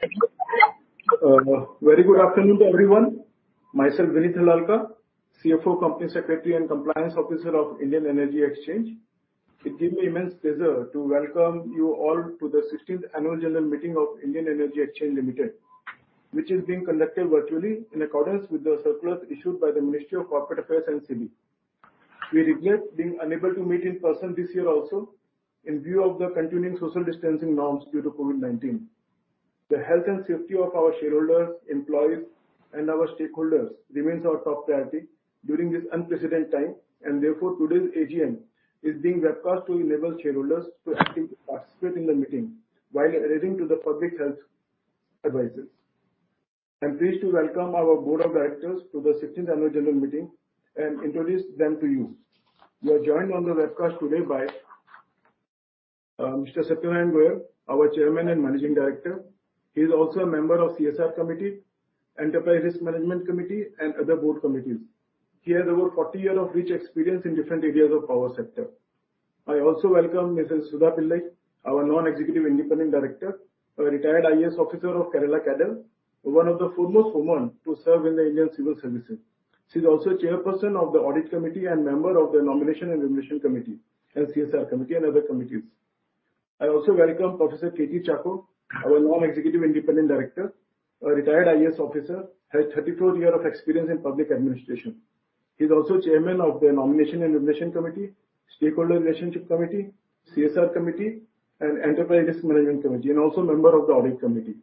Very good afternoon to everyone. Myself, Vineet Harlalka, CFO, Company Secretary and Compliance Officer of Indian Energy Exchange. It gives me immense pleasure to welcome you all to the 16th Annual General Meeting of Indian Energy Exchange Limited, which is being conducted virtually in accordance with the circular issued by the Ministry of Corporate Affairs and SEBI. We regret being unable to meet in person this year also in view of the continuing social distancing norms due to COVID-19. The health and safety of our shareholders, employees, and our stakeholders remains our top priority during this unprecedented time. Therefore, today's AGM is being webcast to enable shareholders to actually participate in the meeting while adhering to the public health advices. I'm pleased to welcome our Board of Directors to the 16th Annual General Meeting and introduce them to you. We are joined on the webcast today by Mr. Satyanarayan Goel, our Chairman and Managing Director. He is also a member of CSR Committee, Enterprise Risk Management Committee and other board committees. He has over 40 years of rich experience in different areas of power sector. I also welcome Mrs. Sudha Pillai, our Non-Executive Independent Director. A retired IAS officer of Kerala cadre, one of the foremost women to serve in the Indian Civil Services. She is also Chairperson of the Audit Committee and member of the Nomination and Remuneration Committee and CSR Committee and other committees. I also welcome Professor K.G. Chacko, our Non-Executive Independent Director. A retired IAS officer. Has 34 years of experience in public administration. He is also Chairman of the Nomination and Remuneration Committee, Stakeholders Relationship Committee, CSR Committee, and Enterprise Risk Management Committee, and also a member of the Audit Committee.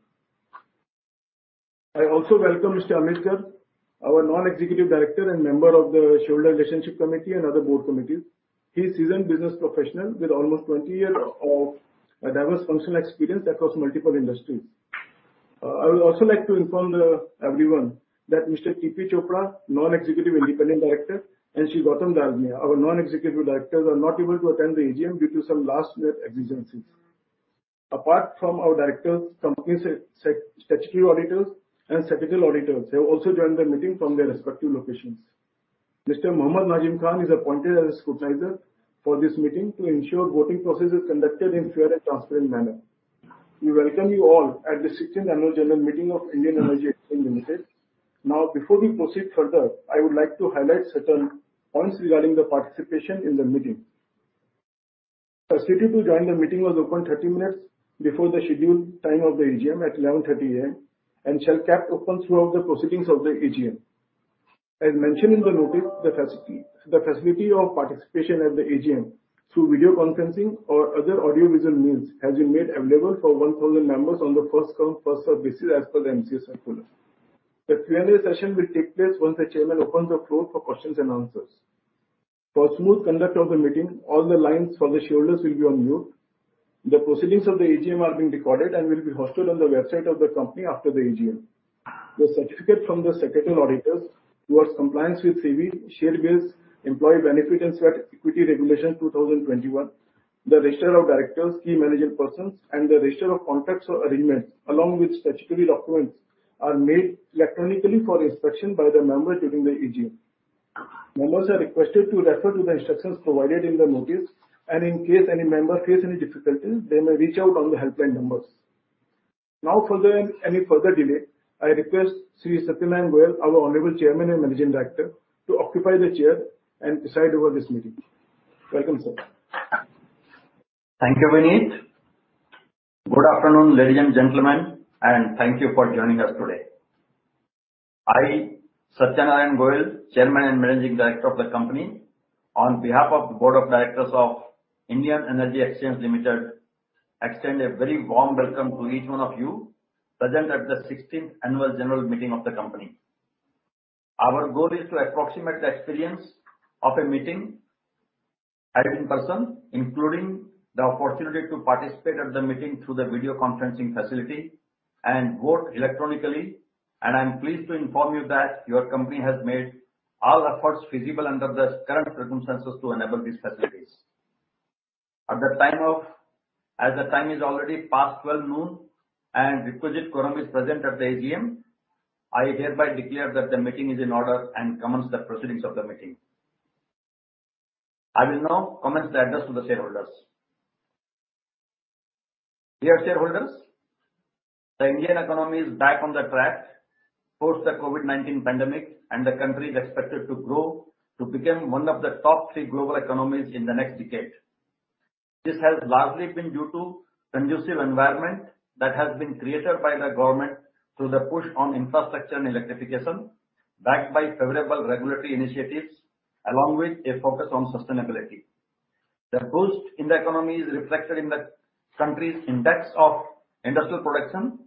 I also welcome Mr. Amit Garg, our Non-Executive Director and member of the Stakeholders Relationship Committee and other board committees. He's a seasoned business professional with almost 20 years of diverse functional experience across multiple industries. I would also like to inform everyone that Mr. K.P. Chopra, Non-Executive Independent Director, and Shri Gautam Dalmia, our Non-Executive Director, are not able to attend the AGM due to some last minute exigencies. Apart from our directors, company's secretarial auditors and statutory auditors have also joined the meeting from their respective locations. Mr. Mohammad Najim Khan is appointed as a scrutinizer for this meeting to ensure voting process is conducted in fair and transparent manner. We welcome you all at the 16th Annual General Meeting of Indian Energy Exchange Limited. Now, before we proceed further, I would like to highlight certain points regarding the participation in the meeting. Facility to join the meeting was open 30 minutes before the scheduled time of the AGM at 11:30 A.M. and shall kept open throughout the proceedings of the AGM. As mentioned in the notice, the facility of participation at the AGM through video conferencing or other audio visual means has been made available for 1,000 members on the first come, first served basis as per the MCA circular. The Q&A session will take place once the Chairman opens the floor for questions and answers. For smooth conduct of the meeting, all the lines for the shareholders will be on mute. The proceedings of the AGM are being recorded and will be hosted on the website of the company after the AGM. The certificate from the statutory auditors towards compliance with SEBI (Share Based Employee Benefits and Sweat Equity) Regulations, 2021, the register of directors, key management persons, and the register of contracts or agreements, along with statutory documents, are made electronically for inspection by the member during the AGM. Members are requested to refer to the instructions provided in the notice, and in case any member faces any difficulty, they may reach out on the helpline numbers. Without any further delay, I request Shri Satyanarayan Goel, our honorable Chairman and Managing Director, to occupy the chair and preside over this meeting. Welcome, sir. Thank you, Vineet. Good afternoon, ladies and gentlemen, and thank you for joining us today. I, Satyanarayan Goel, Chairman and Managing Director of the company, on behalf of the Board of Directors of Indian Energy Exchange Limited, extend a very warm welcome to each one of you present at the 16th Annual General Meeting of the company. Our goal is to approximate the experience of a meeting held in person, including the opportunity to participate at the meeting through the video conferencing facility and vote electronically. I am pleased to inform you that your company has made all efforts feasible under the current circumstances to enable these facilities. As the time is already past 12:00 noon and requisite quorum is present at the AGM, I hereby declare that the meeting is in order and commence the proceedings of the meeting. I will now commence the address to the shareholders. Dear shareholders, the Indian economy is back on the track post the COVID-19 pandemic, and the country is expected to grow to become one of the top three global economies in the next decade. This has largely been due to conducive environment that has been created by the government through the push on infrastructure and electrification, backed by favorable regulatory initiatives, along with a focus on sustainability. The boost in the economy is reflected in the country's Index of Industrial Production,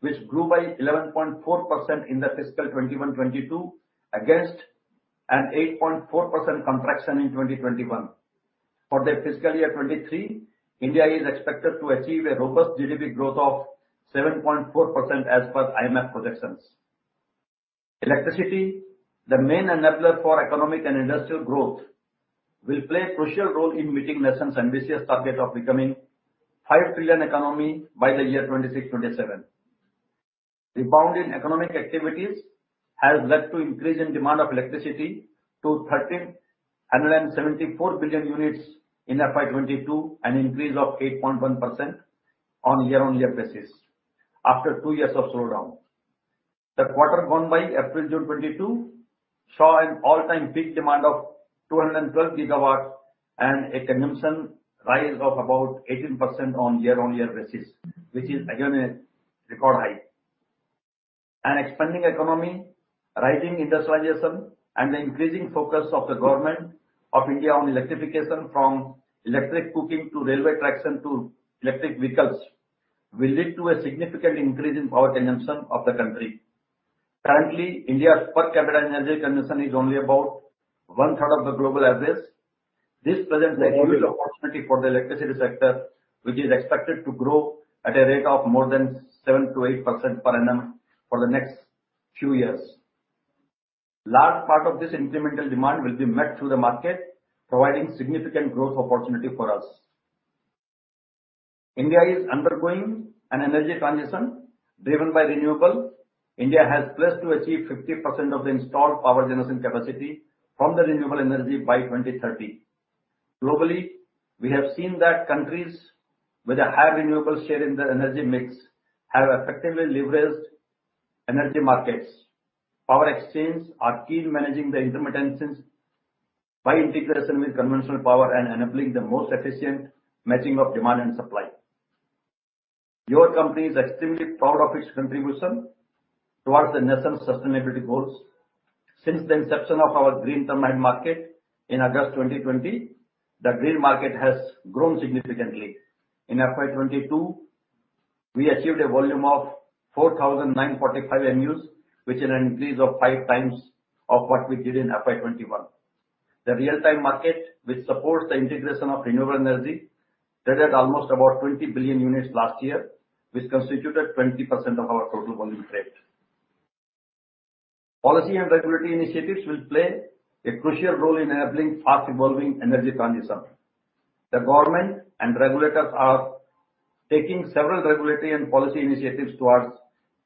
which grew by 11.4% in the fiscal 2021/2022, against an 8.4% contraction in 2021. For the fiscal year 2023, India is expected to achieve a robust GDP growth of 7.4%, as per IMF projections. Electricity, the main enabler for economic and industrial growth, will play a crucial role in meeting the nation's ambitious target of becoming 5 trillion economy by the year 2026/2027. The rebound in economic activities has led to an increase in demand for electricity to 1,374 billion units in FY 2022, an increase of 8.1% on year-on-year basis after two years of slowdown. The quarter gone by April-June 2022 saw an all-time peak demand of 212 GW and a consumption rise of about 18% on year-on-year basis, which is again a record high. An expanding economy, rising industrialization, and the increasing focus of the Government of India on electrification from electric cooking, to railway traction, to electric vehicles, will lead to a significant increase in power consumption of the country. Currently, India's per capita energy consumption is only about 1/3 of the global average. This presents a huge opportunity for the electricity sector, which is expected to grow at a rate of more than 7%-8% per annum for the next few years. Large part of this incremental demand will be met through the market, providing significant growth opportunity for us. India is undergoing an energy transition driven by renewables. India has pledged to achieve 50% of the installed power generation capacity from the renewable energy by 2030. Globally, we have seen that countries with a higher renewable share in their energy mix have effectively leveraged energy markets. Power exchanges are key in managing the intermittency by integration with conventional power and enabling the most efficient matching of demand and supply. Your company is extremely proud of its contribution towards the nation's sustainability goals. Since the inception of our Green Term Ahead Market in August 2020, the Green Term Ahead Market has grown significantly. In FY 2022, we achieved a volume of 4,945 MUs, which is an increase of 5x of what we did in FY 2021. The Real Time Market, which supports the integration of renewable energy, traded almost about 20 billion units last year, which constituted 20% of our total volume trade. Policy and regulatory initiatives will play a crucial role in enabling fast evolving energy transition. The government and regulators are taking several regulatory and policy initiatives towards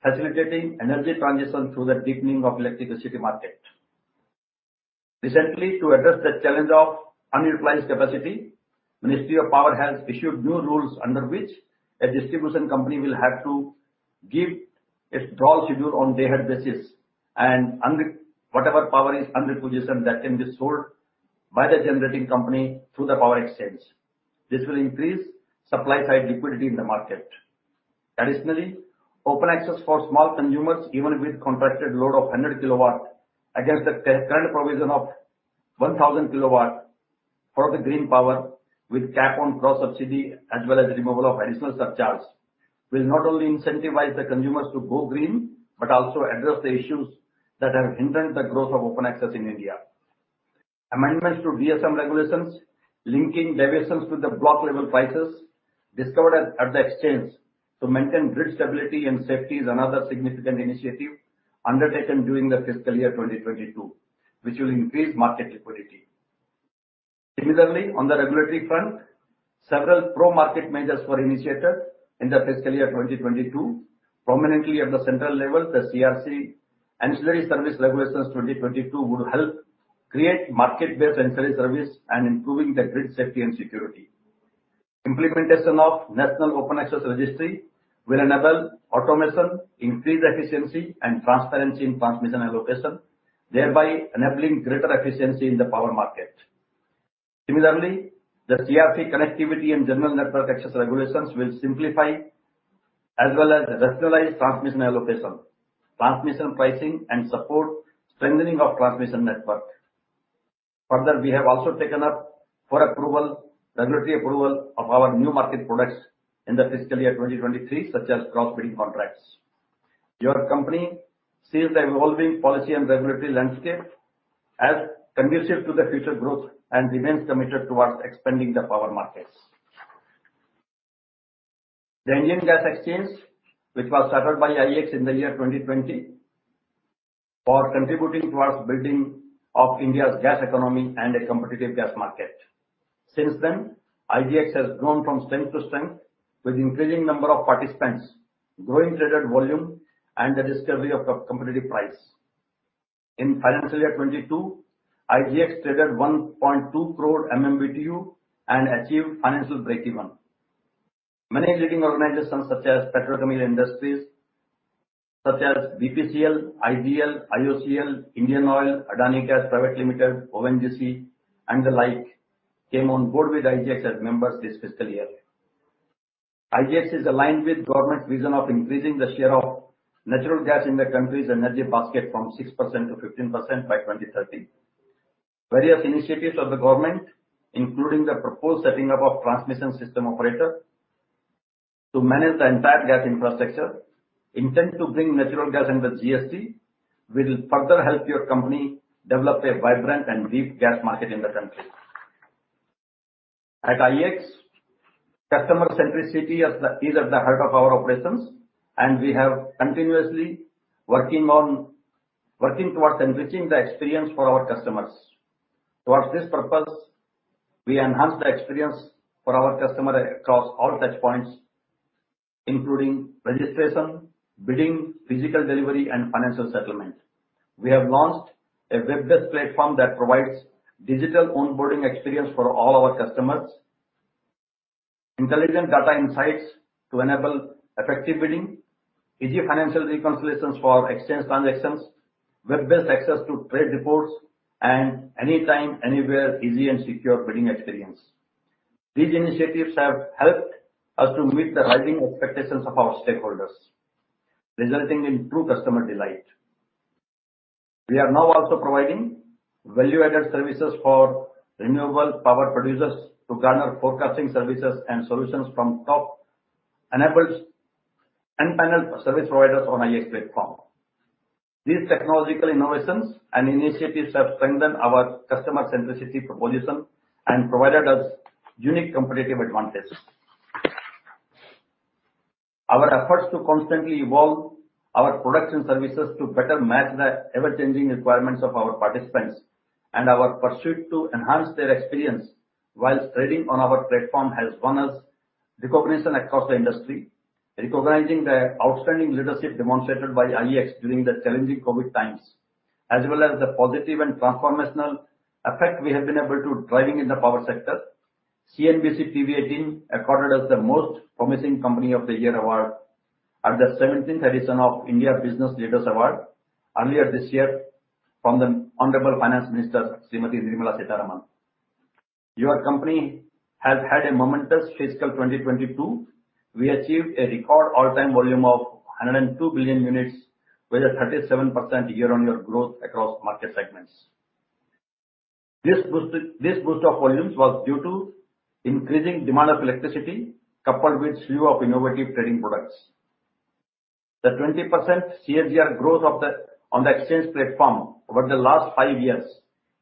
facilitating energy transition through the deepening of electricity market. Recently, to address the challenge of unutilized capacity, Ministry of Power has issued new rules under which a distribution company will have to give a draw schedule on day-ahead basis, and whatever power is unrepurchased that can be sold by the generating company through the power exchange. This will increase supply-side liquidity in the market. Additionally, open access for small consumers, even with contracted load of 100 kW against the current provision of 1,000 kW for the green power with cap on cross-subsidy as well as removal of additional surcharge, will not only incentivize the consumers to go green, but also address the issues that have hindered the growth of open access in India. Amendments to DSM regulations, linking deviations to the block level prices discovered at the exchange to maintain grid stability and safety is another significant initiative undertaken during the fiscal year 2022, which will increase market liquidity. Similarly, on the regulatory front, several pro-market measures were initiated in the fiscal year 2022. Prominently at the central level, the CERC Ancillary Service Regulations 2022 will help create market-based ancillary service and improving the grid safety and security. Implementation of National Open Access Registry will enable automation, increase efficiency and transparency in transmission allocation, thereby enabling greater efficiency in the power market. Similarly, the CERC Connectivity and General Network Access Regulations will simplify as well as rationalize transmission allocation, transmission pricing, and support strengthening of transmission network. Further, we have also taken up for approval, regulatory approval of our new market products in the fiscal year 2023, such as cross-border contracts. Your company sees the evolving policy and regulatory landscape as conducive to the future growth and remains committed towards expanding the power markets. The Indian Gas Exchange, which was started by IEX in the year 2020, for contributing towards building of India's gas economy and a competitive gas market. Since then, IGX has grown from strength to strength with increasing number of participants, growing traded volume, and the discovery of the competitive price. In financial year 2022, IGX traded 1.2 crore MMMBtu and achieved financial breakeven. Many leading organizations such as petrochemical industries, such as BPCL, IDL, IOCL, Indian Oil, Adani Total Gas Ltd, ONGC, and the like, came on board with IGX as members this fiscal year. IGX is aligned with government vision of increasing the share of natural gas in the country's energy basket from 6% to 15% by 2030. Various initiatives of the government, including the proposed setting up of transmission system operator to manage the entire gas infrastructure, intend to bring natural gas under GST, will further help your company develop a vibrant and deep gas market in the country. At IEX, customer centricity is at the heart of our operations, and we have continuously working towards enriching the experience for our customers. Towards this purpose, we enhance the experience for our customer across all touchpoints, including registration, bidding, physical delivery and financial settlement. We have launched a web-based platform that provides digital onboarding experience for all our customers. Intelligent data insights to enable effective bidding, easy financial reconciliations for exchange transactions, web-based access to trade reports and anytime, anywhere easy and secure bidding experience. These initiatives have helped us to meet the rising expectations of our stakeholders, resulting in true customer delight. We are now also providing value-added services for renewable power producers to garner forecasting services and solutions from top-enabled end-to-end service providers on IEX platform. These technological innovations and initiatives have strengthened our customer centricity proposition and provided us unique competitive advantages. Our efforts to constantly evolve our products and services to better match the ever-changing requirements of our participants and our pursuit to enhance their experience while trading on our platform has won us recognition across the industry. Recognizing the outstanding leadership demonstrated by IEX during the challenging COVID times, as well as the positive and transformational effect we have been able to drive in the power sector. CNBC-TV18 accorded us the Most Promising Company of the Year award at the 17th edition of India Business Leaders Awards earlier this year from the Honorable Finance Minister Srimati Nirmala Sitharaman. Your company has had a momentous fiscal 2022. We achieved a record all-time volume of 102 billion units with a 37% year-on-year growth across market segments. This boost of volumes was due to increasing demand of electricity coupled with slew of innovative trading products. The 20% CAGR growth on the exchange platform over the last five years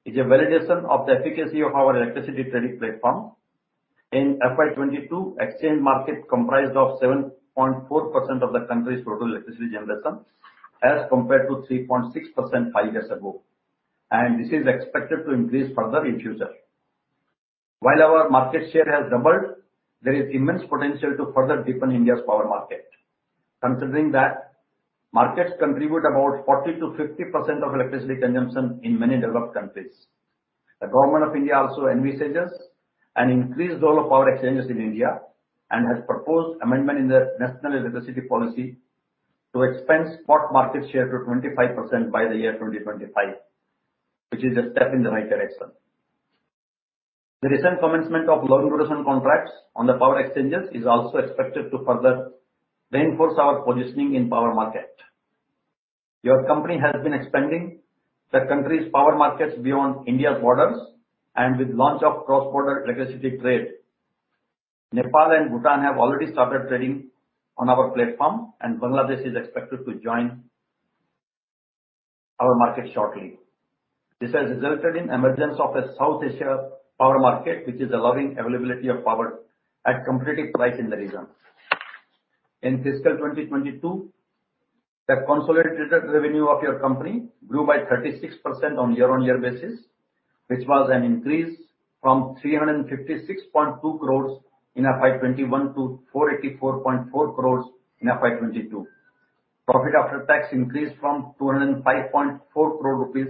is a validation of the efficacy of our electricity trading platform. In FY 2022, exchange market comprised of 7.4% of the country's total electricity generation, as compared to 3.6% five years ago. This is expected to increase further in future. While our market share has doubled, there is immense potential to further deepen India's power market. Considering that markets contribute about 40%-50% of electricity consumption in many developed countries. The government of India also envisages an increased role of power exchanges in India and has proposed amendment in the National Electricity Policy to expand spot market share to 25% by the year 2025, which is a step in the right direction. The recent commencement of long duration contracts on the power exchanges is also expected to further reinforce our positioning in power market. Your company has been expanding the country's power markets beyond India's borders and with launch of cross-border electricity trade. Nepal and Bhutan have already started trading on our platform, and Bangladesh is expected to join our market shortly. This has resulted in emergence of a South Asia power market, which is allowing availability of power at competitive price in the region. In fiscal 2022, the consolidated revenue of your company grew by 36% on year-over-year basis, which was an increase from 356.2 crores in FY 2021 to 484.4 crores in FY 2022. Profit after tax increased from 205.4 crore rupees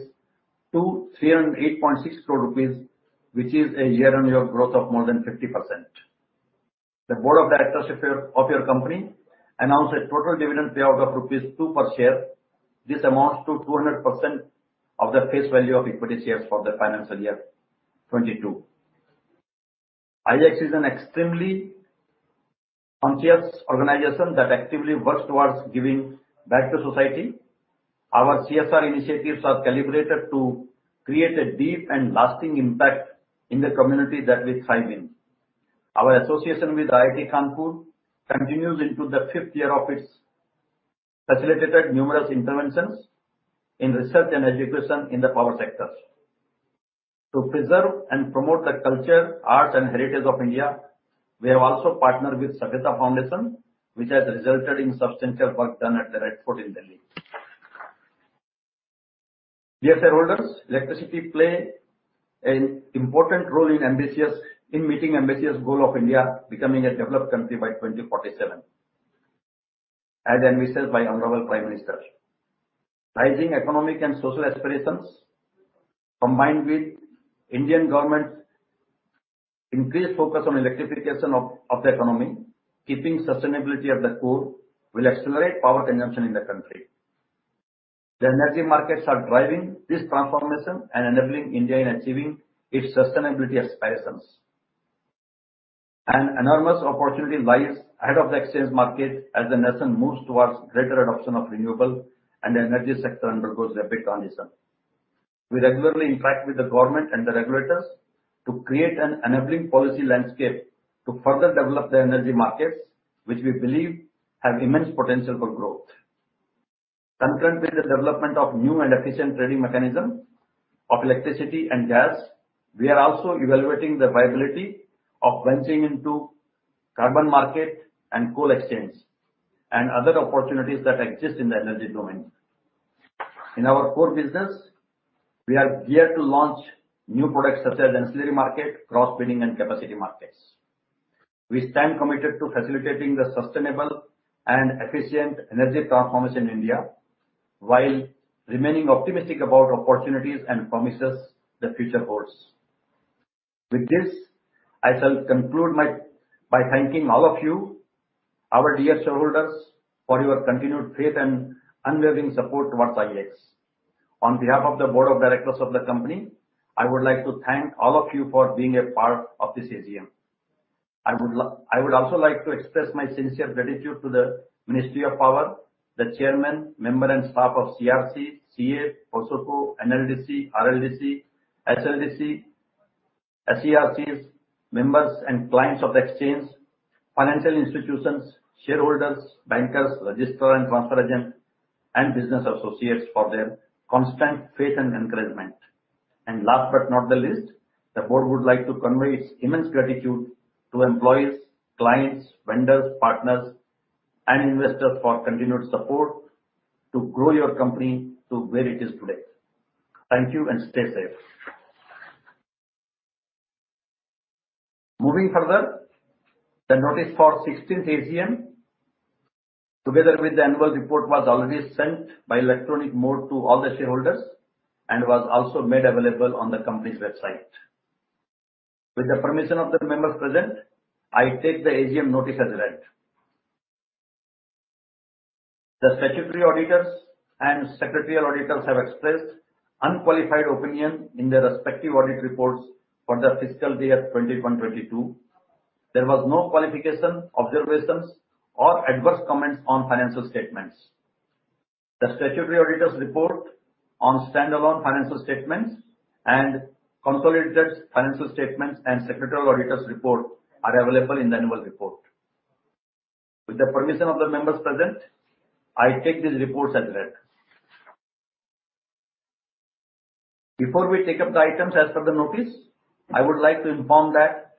to 308.6 crore rupees, which is a year-over-year growth of more than 50%. The board of directors of your company announced a total dividend payout of rupees 2 per share. This amounts to 200% of the face value of equity shares for the financial year 2022. IEX is an extremely conscious organization that actively works towards giving back to society. Our CSR initiatives are calibrated to create a deep and lasting impact in the community that we thrive in. Our association with IIT Kanpur continues into the fifth year facilitated numerous interventions in research and education in the power sectors. To preserve and promote the culture, arts, and heritage of India, we have also partnered with Sabhyata Foundation, which has resulted in substantial work done at the Red Fort in Delhi. In meeting ambitious goal of India becoming a developed country by 2047, as envisaged by Honorable Prime Minister. Rising economic and social aspirations, combined with Indian government's increased focus on electrification of the economy, keeping sustainability at the core, will accelerate power consumption in the country. The energy markets are driving this transformation and enabling India in achieving its sustainability aspirations. An enormous opportunity lies ahead of the exchange market as the nation moves towards greater adoption of renewables and the energy sector undergoes rapid transition. We regularly interact with the government and the regulators to create an enabling policy landscape to further develop the energy markets, which we believe have immense potential for growth. Concurrently, the development of new and efficient trading mechanism of electricity and gas, we are also evaluating the viability of branching into carbon market and coal exchange and other opportunities that exist in the energy domain. In our core business, we are geared to launch new products such as ancillary market, cross-border and capacity markets. We stand committed to facilitating the sustainable and efficient energy transformation in India while remaining optimistic about opportunities and promises the future holds. With this, I shall conclude by thanking all of you, our dear shareholders, for your continued faith and unwavering support towards IEX. On behalf of the Board of Directors of the company, I would like to thank all of you for being a part of this AGM. I would also like to express my sincere gratitude to the Ministry of Power, the chairman, member and staff of CERC, CEA, POSOCO, NLDC, RLDC, SLDC, SERCs, members and clients of the Exchange, financial institutions, shareholders, bankers, registrar and transfer agent, and business associates for their constant faith and encouragement. Last but not the least, the board would like to convey its immense gratitude to employees, clients, vendors, partners and investors for continued support to grow your company to where it is today. Thank you and stay safe. Moving further, the notice for 16th AGM, together with the annual report, was already sent by electronic mode to all the shareholders and was also made available on the company's website. With the permission of the members present, I take the AGM notice as read. The statutory auditors and secretarial auditors have expressed unqualified opinion in their respective audit reports for the fiscal year 2021- 2022. There was no qualification, observations or adverse comments on financial statements. The statutory auditors report on standalone financial statements and consolidated financial statements and secretarial auditors report are available in the annual report. With the permission of the members present, I take these reports as read. Before we take up the items as per the notice, I would like to inform that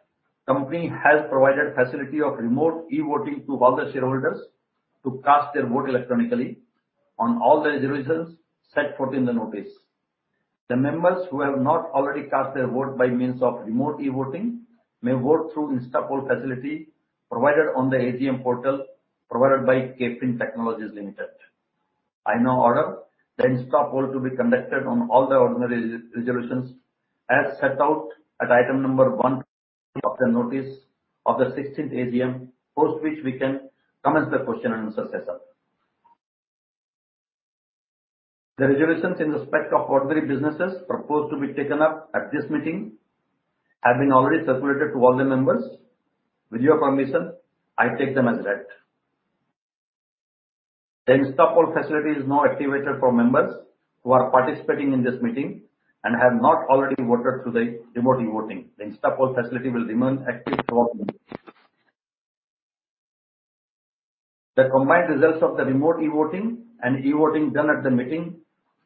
company has provided facility of remote e-voting to all the shareholders to cast their vote electronically on all the resolutions set forth in the notice. The members who have not already cast their vote by means of remote e-voting may vote through InstaPoll facility provided on the AGM portal provided by KFin Technologies Limited. I now order the InstaPoll to be conducted on all the ordinary resolutions as set out at item number one of the notice of the 16th AGM, post which we can commence the question and answer session. The resolutions in respect of ordinary businesses proposed to be taken up at this meeting have been already circulated to all the members. With your permission, I take them as read. The InstaPoll facility is now activated for members who are participating in this meeting and have not already voted through the remote e-voting. The InstaPoll facility will remain active throughout the meeting. The combined results of the remote e-voting and e-voting done at the meeting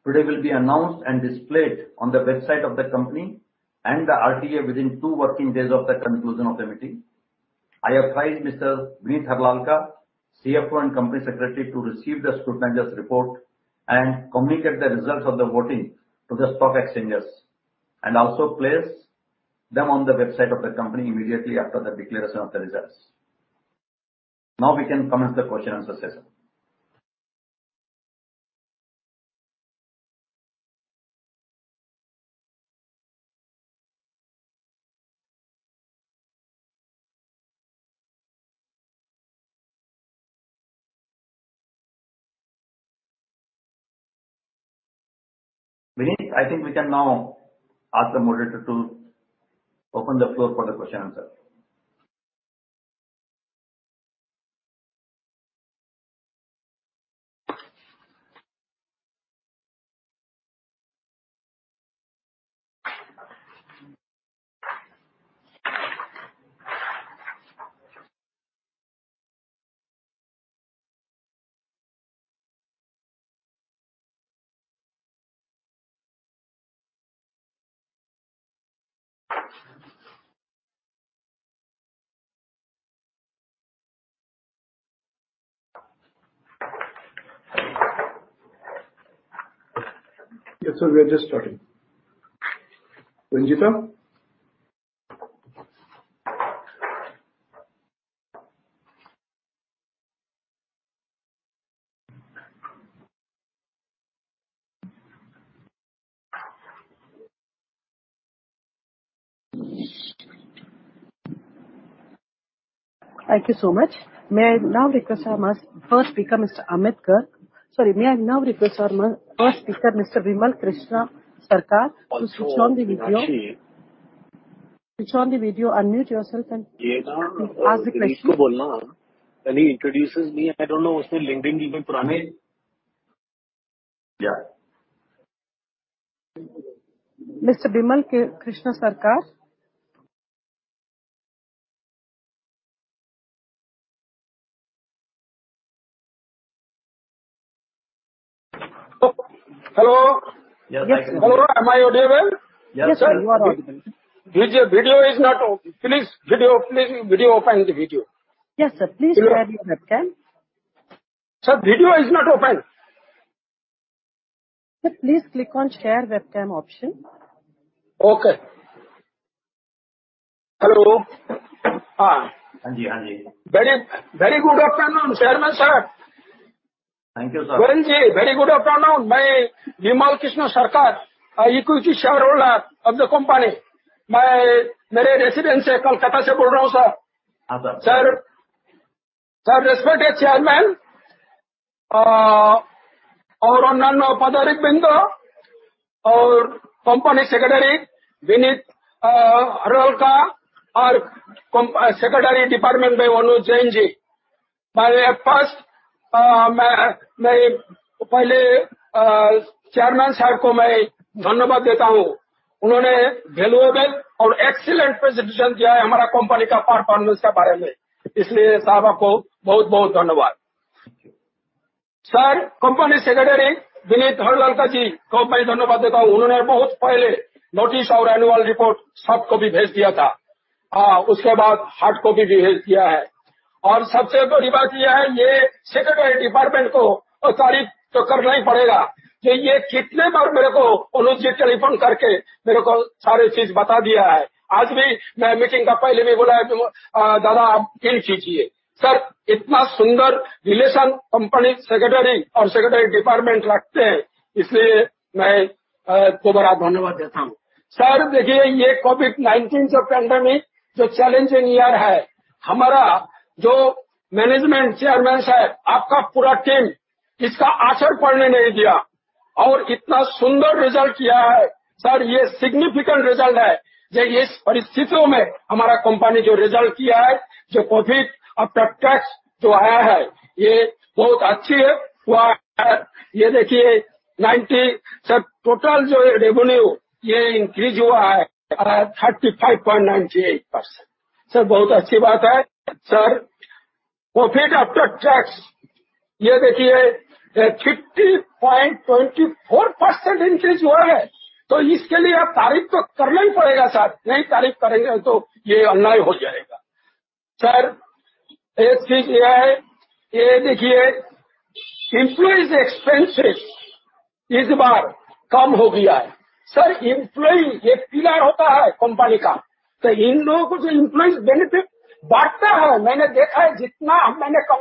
today will be announced and displayed on the website of the company and the RTA within two working days of the conclusion of the meeting. I advise Mr. Vineet Harlalka, CFO and Company Secretary, to receive the scrutineer's report and communicate the results of the voting to the stock exchanges, and also place them on the website of the company immediately after the declaration of the results. Now we can commence the question and answer session. Vineet, I think we can now ask the moderator to open the floor for the question and answer. Yes, sir. We are just starting. Ranjita? Thank you so much. May I now request our first speaker, Mr. Amit Kumar. Sorry, may I now request our first speaker, Mr. Vimal Krishna Sarkar to switch on the video. Also, Meenakshi. Switch on the video, unmute yourself and ask the question. When he introduces me, I don't know. Yeah. Mr. Vimal Krishna Sarkar? Hello? Yes sir. Hello, am I audible? Yes sir, you are audible. Video is not open. Please video open the video. Yes sir, please share your webcam. Sir, video is not open. Sir, please click on share webcam option. Okay. Hello. हाँ. हाँ जी, हाँ जी। Very, very good afternoon, Chairman Sir. Thank you, sir. Goyal ji, very good afternoon। मैं Vimal Krishna Sarkar, equity shareholder of the company। मैं मेरे residence से कोलकाता से बोल रहा हूँ sir। Yes, sir. Sir, respected Chairman और नन्नो पधारिक बिंद और Company Secretary Vineet Harlalka और Secretary Department में Anuj Jain जी। मैं मेरे पहले Chairman साहब को धन्यवाद देता हूँ। उन्होंने valuable और excellent presentation दिया है हमारा company का performance के बारे में। इसलिए साहब आपको बहुत-बहुत धन्यवाद। Sir, Company Secretary Vineet Harlalka जी को भी धन्यवाद देता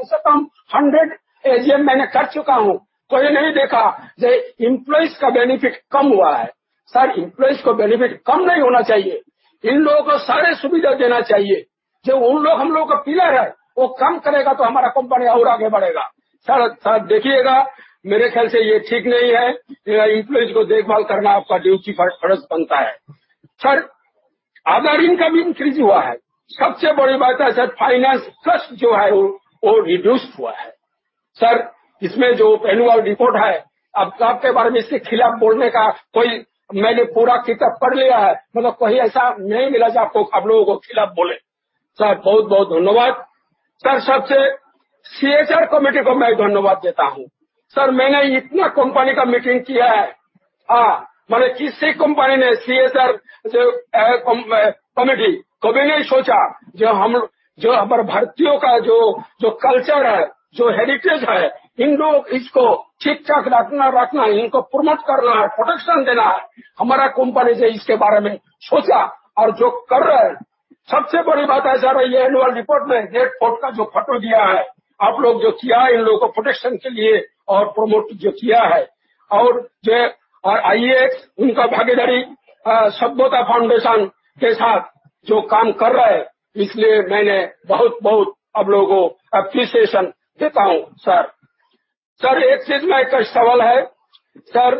हूँ। उन्होंने बहुत पहले notice और annual report सबको भी भेज दिया था। उसके बाद hard copy भी भेज दिया है और सबसे बड़ी बात यह है ये Secretary Department को तारीफ तो करना ही पड़ेगा कि ये कितने बार मेरे को Anuj जी telephone करके मेरे को सारे चीज बता दिया है। आज भी मैं meeting का पहले भी बोला है कि दादा आप pin कीजिए। Sir, इतना सुंदर relation Company Secretary और Secretary Department रखते हैं है, इन लोगों को protection के लिए और promote जो किया है और IEX उनका भागीदारी Sabhyata Foundation के साथ जो काम कर रहे हैं इसलिए मैंने बहुत-बहुत आप लोगों को appreciation देता हूँ sir। Sir, एक सवाल है। Sir,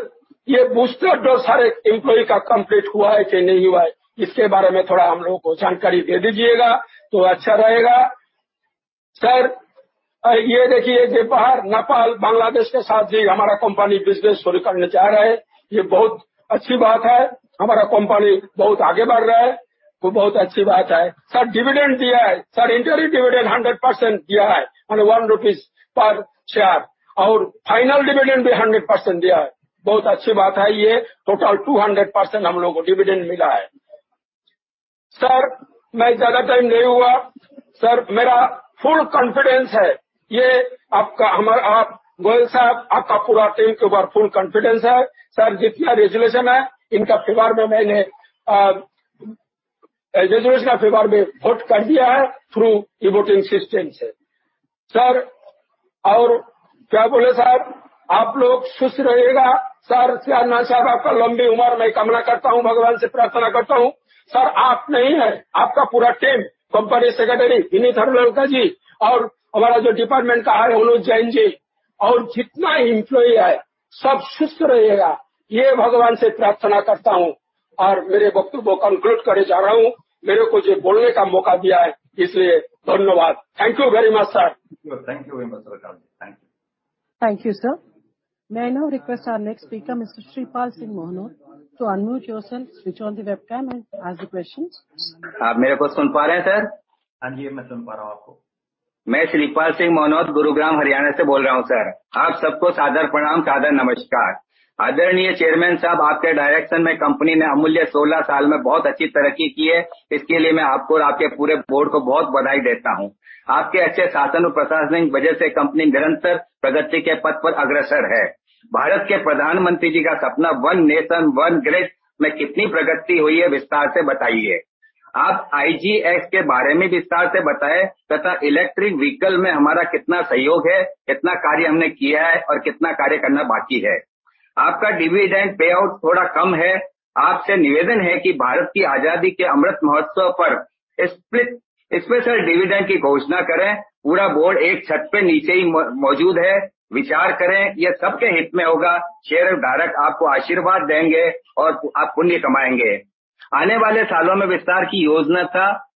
यह muster door सारे employee का complete हुआ है कि नहीं हुआ है। इसके बारे में थोड़ा हम लोगों को जानकारी दे दीजिएगा तो अच्छा रहेगा। Sir, यह देखिए कि बाहर नेपाल, बांग्लादेश के साथ भी हमारा company business शुरू करने जा रहा है। यह बहुत अच्छी बात है। हमारा company बहुत आगे बढ़ रहा है। वो बहुत अच्छी बात है। Sir, dividend दिया है। Sir, interim dividend 100% दिया है। मतलब ₹1 per share और final dividend भी 100% दिया है। बहुत अच्छी बात है यह। Total 200% हम लोगों को dividend मिला है। Sir, मैं ज्यादा time नहीं लूँगा। Sir, मेरा full confidence है। आप Goel साहब आपका पूरा team के ऊपर full confidence है। Sir, जितना resolution है इनका favour में मैंने resolution के favour में vote कर दिया है through e-voting system से। Sir, आप लोग स्वस्थ रहिएगा। Sir, Satyanarayan साहब आपकी लंबी उम्र की मैं कामना करता हूँ। भगवान से प्रार्थना करता हूँ। Sir, आप नहीं है, आपका पूरा team, Company Secretary Vineet Harlalka जी और हमारा जो department का है Anuj Jain जी और जितना employee है सब स्वस्थ रहिएगा। यह भगवान से प्रार्थना करता हूँ और मेरे वक्तव्य को conclude करे जा रहा हूँ। मेरे को यह बोलने का मौका दिया है इसलिए धन्यवाद। Thank you very much sir. Thank you very much. Thank you. Thank you, sir. May I now request our next speaker Mr. Shripal Singh Manohar to unmute yourself, switch on the webcam and ask the questions. आप मेरे को सुन पा रहे हैं sir? हाँ जी, मैं सुन पा रहा हूँ आपको। मैं श्रीपाल सिंह मनोहर, गुरुग्राम, हरियाणा से बोल रहा हूँ sir। आप सबको सादर प्रणाम, सादर नमस्कार। आदरणीय Chairman साहब, आपके direction में company ने अमूल्य सोलह साल में बहुत अच्छी तरक्की की है। इसके लिए मैं आपको और आपके पूरे board को बहुत बधाई देता हूँ। आपके अच्छे शासन और प्रशासन की वजह से company निरंतर प्रगति के पथ पर अग्रसर है। भारत के प्रधानमंत्री जी का सपना one nation, one grid में कितनी प्रगति हुई है, विस्तार से बताइए। आप IGX के बारे में विस्तार से बताएं तथा electric vehicle में हमारा कितना सहयोग है, कितना कार्य हमने किया है और कितना कार्य करना बाकी है। आपका dividend payout थोड़ा कम है। आपसे निवेदन है कि भारत की आजादी के अमृत महोत्सव पर special dividend की घोषणा करें। पूरा board एक छत के नीचे ही मौजूद है। विचार करें, यह सबके हित में होगा। shareholder आपको आशीर्वाद देंगे और आप पुण्य कमाएंगे। आने वाले सालों में विस्तार की योजना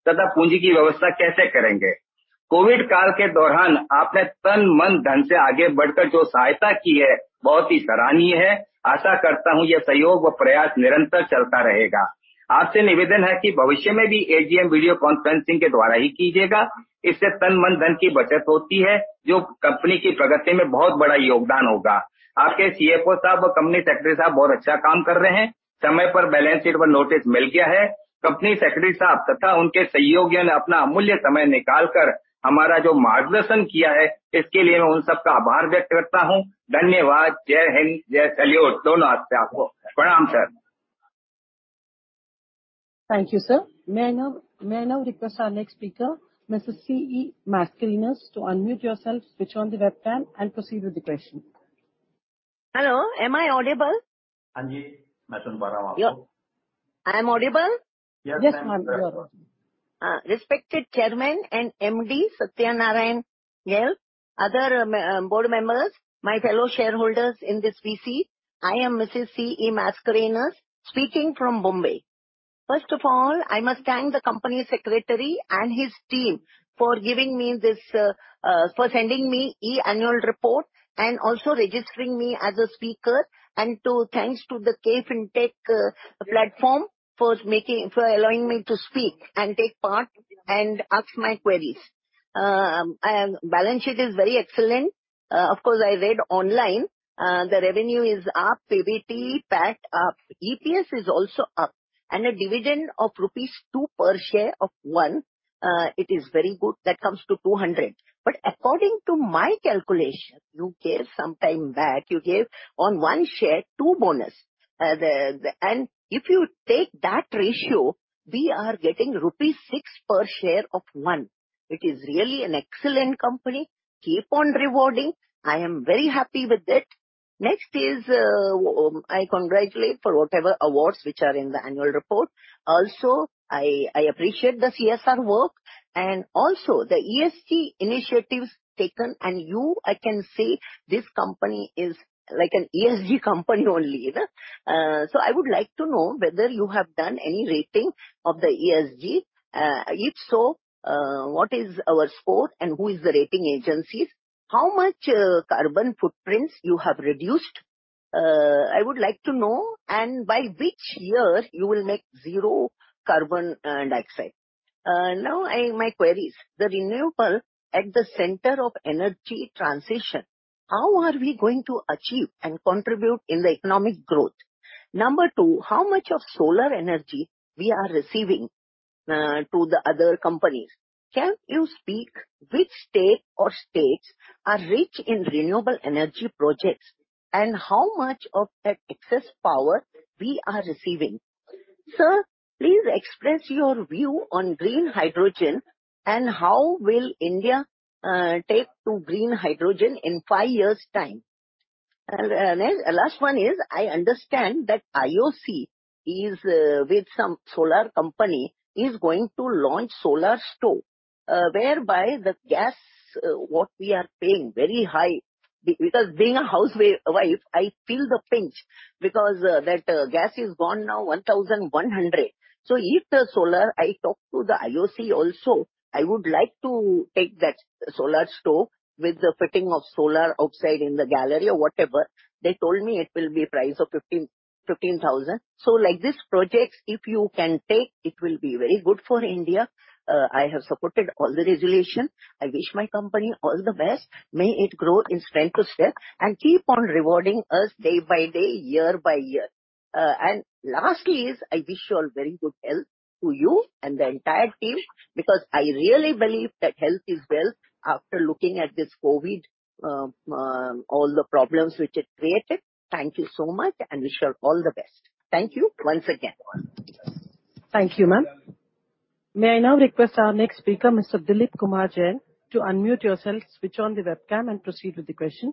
तथा पूंजी की व्यवस्था कैसे करेंगे? COVID काल के दौरान आपने तन, मन, धन से आगे बढ़कर जो सहायता की है, बहुत ही सराहनीय है। आशा करता हूँ यह सहयोग व प्रयास निरंतर चलता रहेगा। आपसे निवेदन है कि भविष्य में भी AGM video conferencing के द्वारा ही कीजिएगा। इससे तन, मन, धन की बचत होती है, जो company की प्रगति में बहुत बड़ा योगदान होगा। आपके CFO साहब व Company Secretary साहब बहुत अच्छा काम कर रहे हैं। समय पर balance sheet व notice मिल गया है। Company Secretary साहब तथा उनके सहयोगियों ने अपना अमूल्य समय निकाल कर हमारा जो मार्गदर्शन किया है, इसके लिए मैं उन सबका आभार व्यक्त करता हूँ। धन्यवाद। जय हिंद, जय हिंदुस्तान। दोनों हाथ से आपको प्रणाम sir. Thank you, sir. May I now request our next speaker, Mrs. C. E. Mascarenhas to unmute yourself, switch on the webcam and proceed with the question. Hello, am I audible? हाँ जी, मैं सुन पा रहा हूँ आपको। I am audible? Yes, ma'am. Yes, ma'am. You are. Respected Chairman and MD Satyanarayan Goel, other members of the board, my fellow shareholders in this VC. I am Mrs. C. E. Mascarenhas speaking from Bombay. First of all, I must thank the Company Secretary and his team for sending me e-Annual Report and also registering me as a speaker, and thanks to the KFin Technologies platform for allowing me to speak and take part and ask my queries. Balance sheet is very excellent. Of course, I read online the revenue is up, PBT PAT up, EPS is also up, and a dividend of rupees 2 per share of one, it is very good. That comes to 200. According to my calculation, you gave some time back, you gave on one share, two bonus. If you take that ratio, we are getting rupees 6 per share of one. It is really an excellent company. Keep on rewarding. I am very happy with it. Next is, I congratulate for whatever awards which are in the annual report. Also, I appreciate the CSR work and also the ESG initiatives taken. You, I can say this company is like an ESG company only, you know. I would like to know whether you have done any rating of the ESG. If so, what is our score and who is the rating agencies? How much carbon footprints you have reduced? I would like to know and by which year you will make zero carbon dioxide. Now, my queries: the renewable at the center of energy transition, how are we going to achieve and contribute in the economic growth? Number two, how much of solar energy we are receiving to the other companies? Can you speak which state or states are rich in renewable energy projects and how much of that excess power we are receiving? Sir, please express your view on green hydrogen and how will India take to green hydrogen in five years' time? Next, last one is, I understand that IOC is with some solar company, is going to launch solar stove, whereby the gas what we are paying very high, because being a housewife, I feel the pinch because that gas is gone now 1,100. I talked to the IOC also. I would like to take that solar stove with the fitting of solar outside in the gallery or whatever. They told me it will be price of 15,000. Like this projects, if you can take, it will be very good for India. I have supported all the resolution. I wish my company all the best. May it grow in strength to strength and keep on rewarding us day by day, year by year. Lastly, I wish you all very good health to you and the entire team, because I really believe that health is wealth after looking at this COVID, all the problems which it created. Thank you so much, and wish you all the best. Thank you once again. Thank you, ma'am. May I now request our next speaker, Mr. Dilip Kumar Jain, to unmute yourself, switch on the webcam, and proceed with the question.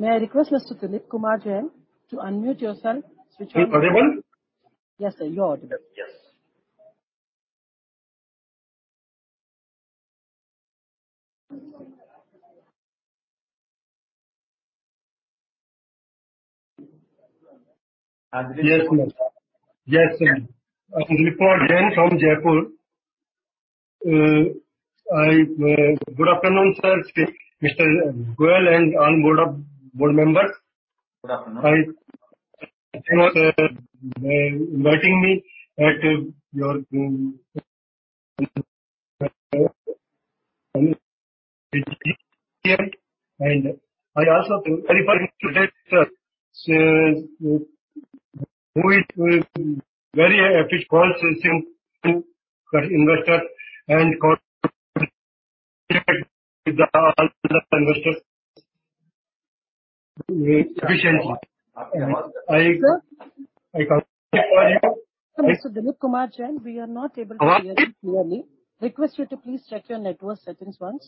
Am I audible? Yes, sir. You are audible. Yes. Yes, sir. Yes, sir. I'm Dilip Kumar Jain from Jaipur. Good afternoon, sir, Mr. Goel, and all board members. Good afternoon. Thank you for inviting me to your. I also thank everybody today, sir, who is with very efficient call system to investor and call investor. Namaskar. I... Sir. I Mr. Dilip Kumar Jain, we are not able to hear you clearly. Request you to please check your network settings once.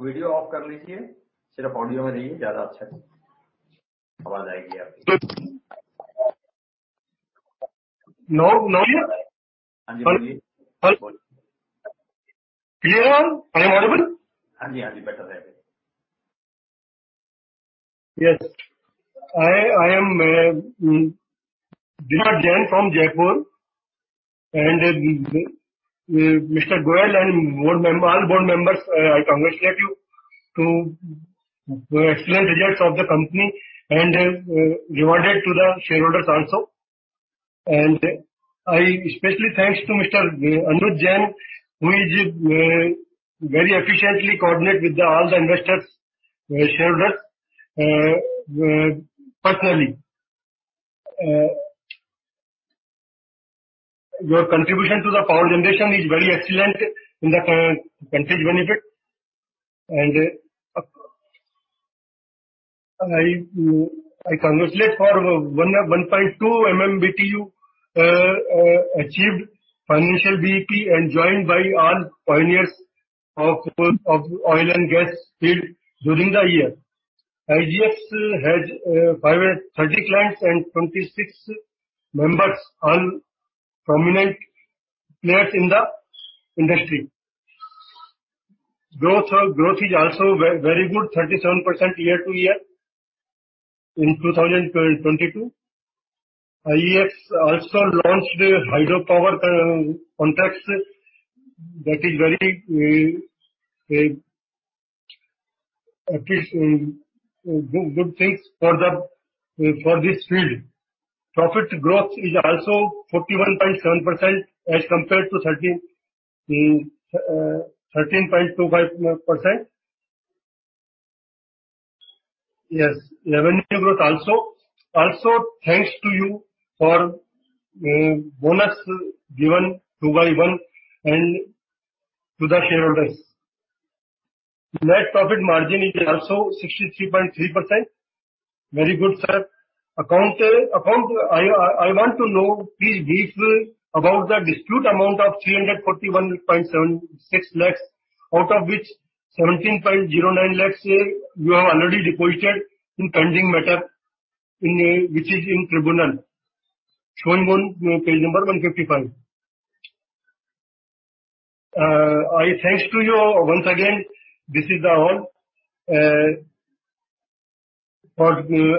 Video off कर लीजिए। सिर्फ audio में रहिये, ज़्यादा अच्छा है। आवाज़ आएगी आपकी। No, now hear? हाँ जी, बोलिए। Clear now? I am audible? हाँ जी, हाँ जी, better है। Yes. I am Dilip Kumar Jain from Jaipur, and Mr. Goel and all board members, I congratulate you to excellent results of the company and rewarded to the shareholders also. I especially thanks to Mr. Anuj Kumar Jain, who is very efficiently coordinate with all the investors, shareholders personally. Your contribution to the power generation is very excellent in the country's benefit. I congratulate for 1.2 MMMBtu achieved financial BEP and joined by all pioneers of oil and gas field during the year. IEX has 530 clients and 26 members, all prominent players in the industry. Growth is also very good, 37% year-over-year in 2022. IEX also launched hydropower contracts. That is very, at least, good things for this field. Profit growth is also 41.7% as compared to 13.25%. Yes, revenue growth also. Also, thanks to you for bonus given 2 by 1 and to the shareholders. Net profit margin is also 63.3%. Very good, sir. I want to know please briefly about the dispute amount of 341.76 lakhs, out of which 17.09 lakhs you have already deposited in pending matter in, which is in tribunal. Shown on page number 155. I thanks to you once again. This is all. Thank you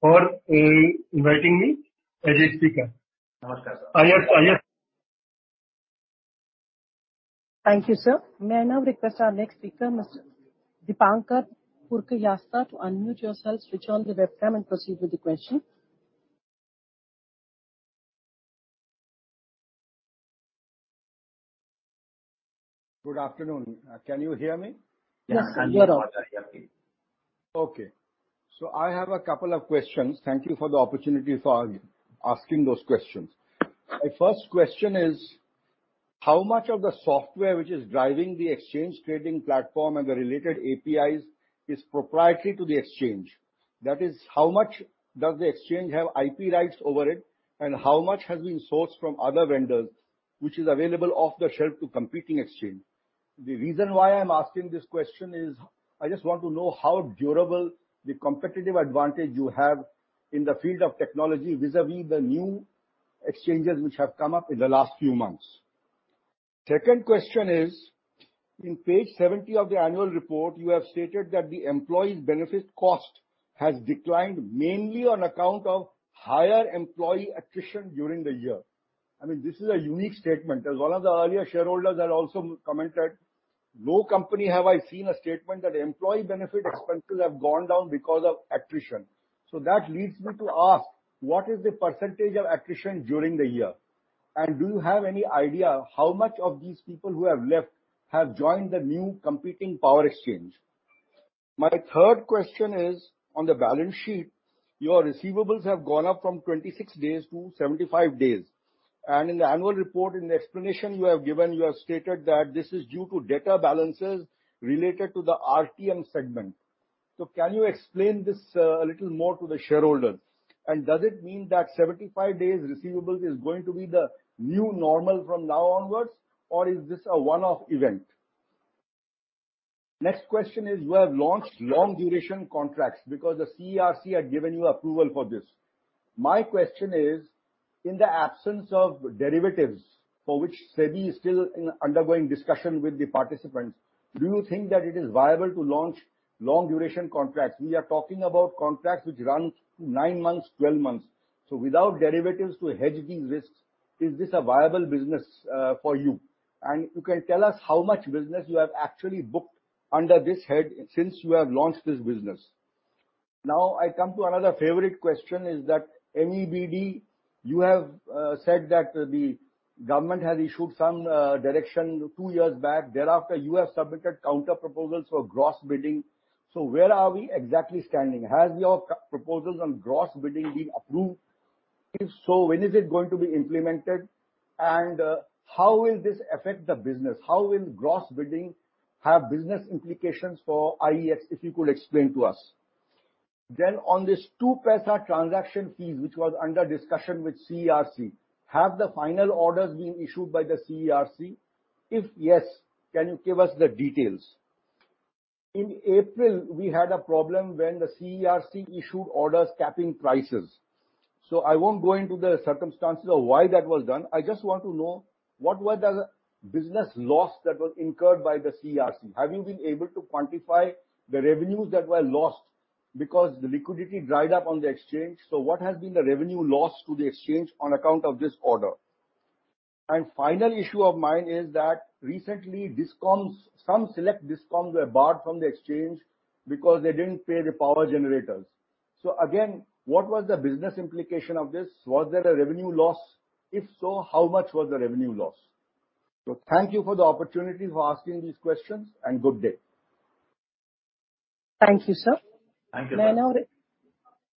for inviting me as a speaker. Namaskar, sir. Ayush. Thank you, sir. May I now request our next speaker, Mr. Dipankar Purkayastha, to unmute yourself, switch on the webcam, and proceed with the question. Good afternoon. Can you hear me? Yes, sir. Yes, sir. We are hearing you. Okay. I have a couple of questions. Thank you for the opportunity for asking those questions. My first question is, how much of the software which is driving the exchange trading platform and the related APIs is proprietary to the exchange? That is, how much does the exchange have IP rights over it, and how much has been sourced from other vendors which is available off the shelf to competing exchange? The reason why I'm asking this question is I just want to know how durable the competitive advantage you have in the field of technology vis-a-vis the new exchanges which have come up in the last few months. Second question is, in page 70 of the annual report, you have stated that the employee benefits cost has declined mainly on account of higher employee attrition during the year. I mean, this is a unique statement. As one of the earlier shareholders had also commented, no company have I seen a statement that employee benefit expenses have gone down because of attrition. That leads me to ask, what is the percentage of attrition during the year? Do you have any idea how much of these people who have left have joined the new competing power exchange? My third question is, on the balance sheet, your receivables have gone up from 26 days to 75 days. In the annual report, in the explanation you have given, you have stated that this is due to data balances related to the RTM segment. Can you explain this, a little more to the shareholders? Does it mean that 75 days receivables is going to be the new normal from now onwards, or is this a one-off event? Next question is you have launched long duration contracts because the CERC had given you approval for this. My question is, in the absence of derivatives for which SEBI is still undergoing discussion with the participants, do you think that it is viable to launch long duration contracts? We are talking about contracts which run nine months, 12 months. So without derivatives to hedge these risks, is this a viable business for you? You can tell us how much business you have actually booked under this head since you have launched this business. Now I come to another favorite question. Is that MBED you have said that the government has issued some direction two years back. Thereafter, you have submitted counter proposals for gross bidding. Where are we exactly standing? Has your proposals on gross bidding been approved? If so, when is it going to be implemented and how will this affect the business? How will gross bidding have business implications for IEX, if you could explain to us? On this 0.02 transaction fees which was under discussion with CERC, have the final orders been issued by the CERC? If yes, can you give us the details? In April we had a problem when the CERC issued orders capping prices. I won't go into the circumstances of why that was done. I just want to know what were the business loss that was incurred by the CERC. Have you been able to quantify the revenues that were lost because the liquidity dried up on the exchange. What has been the revenue loss to the exchange on account of this order? Final issue of mine is that recently DISCOMs, some select DISCOMs were barred from the exchange because they didn't pay the power generators. Again, what was the business implication of this? Was there a revenue loss? If so, how much was the revenue loss? Thank you for the opportunity for asking these questions and good day. Thank you, sir. Thank you.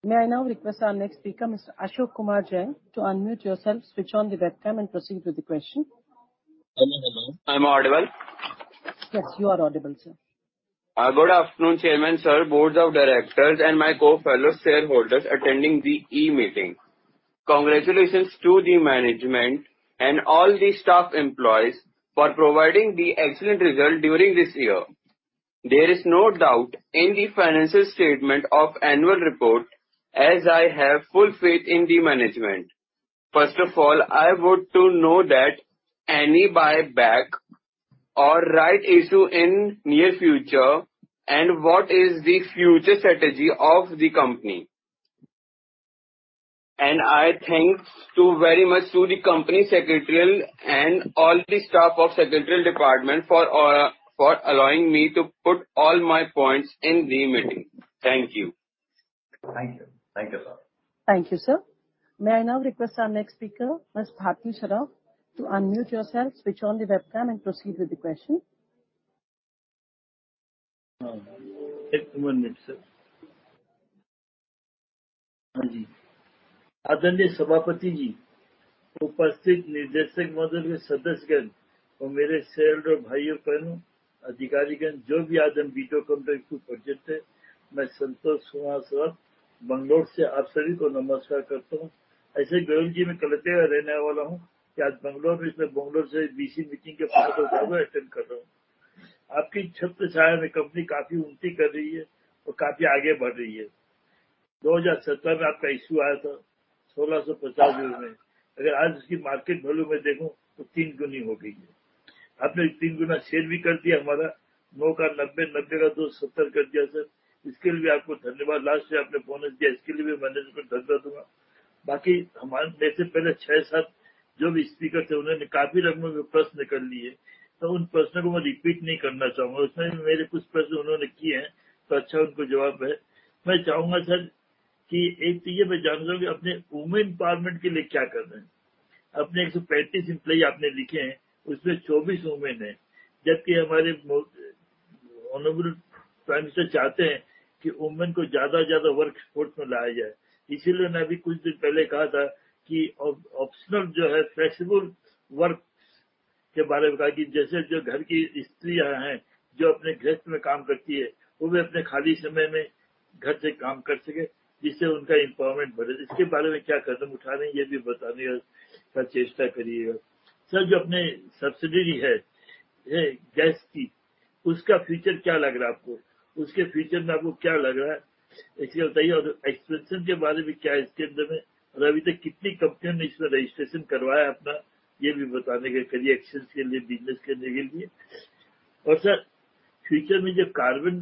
May I now request our next speaker, Mr. Ashok Kumar Jain, to unmute yourself, switch on the webcam and proceed with the question. Am I audible? Yes, you are audible, sir. Good afternoon, Chairman Sir, Board of Directors and my fellow co-shareholders attending the e-meeting. Congratulations to the management and all the staff employees for providing the excellent result during this year. There is no doubt in the financial statement of annual report as I have full faith in the management. First of all, I would to know that any buy back or right issue in near future and what is the future strategy of the company. I thank very much to the company secretarial and all the staff of secretarial department for allowing me to put all my points in the meeting. Thank you. Thank you. Thank you, sir. Thank you, sir. May I now request our next speaker, Ms. Bharti Shroff, to unmute yourself, switch on the webcam and proceed with the question? One minute, sir. आदरणीय सभापति जी, उपस्थित निर्देशक मंडल के सदस्यगण और मेरे shareholder भाइयों बहनों, अधिकारीगण, जो भी आज हम video conference को परिचित हैं। मैं Santosh Kumar Sharma, Bangalore से आप सभी को नमस्कार करता हूँ। ऐसे Goel जी, मैं कल से रहने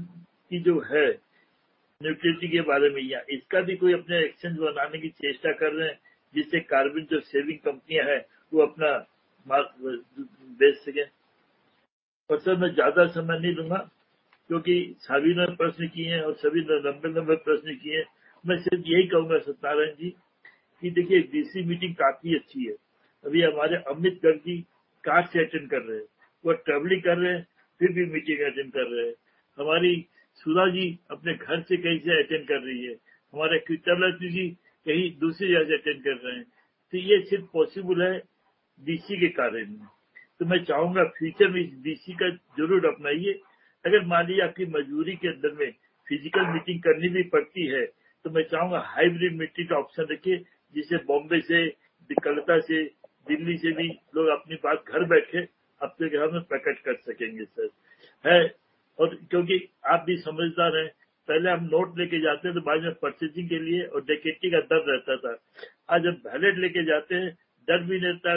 वाला हूँ कि आज Bangalore में, इसमें Bangalore से VC meeting के माध्यम से attend कर रहा हूँ। आपकी छत्र छाया में company काफी उम्मति कर रही है और काफी आगे बढ़ रही है। 2017 में आपका issue आया था ₹1,650 में। अगर आज उसकी market value मैं देखूं तो तीन गुनी हो गई है। आपने तीन गुना share भी कर दिया हमारा। नौ का 90 का 270 कर दिया sir। इसके लिए भी आपको धन्यवाद। Last year आपने bonus दिया। इसके लिए भी management को धन्यवाद दूंगा। क्योंकि आप भी समझदार हैं। पहले हम note लेकर जाते थे buying और purchasing के लिए और leakage का डर रहता था। आज हम wallet लेकर जाते हैं, डर भी नहीं था।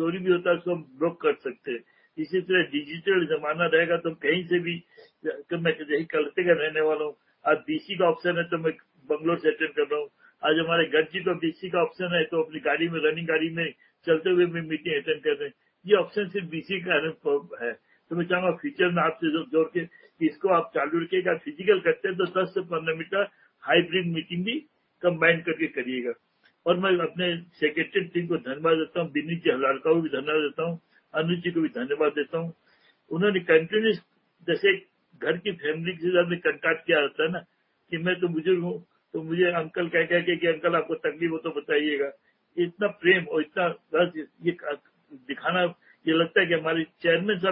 चोरी भी होता है तो हम block कर सकते हैं। इसी तरह digital जमाना रहेगा तो कहीं से भी, मैं तो यही Kolkata का रहने वाला हूँ। आज VC का option है तो मैं Bangalore से attend कर रहा हूँ। आज हमारे Gazipur VC का option है तो अपनी गाड़ी में, running गाड़ी में चलते हुए भी meeting attend कर रहे हैं। यह option सिर्फ VC का है। तो मैं चाहूंगा future में देता हूँ। जय हिंद। जय